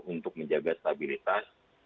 untuk menjaga stabilitas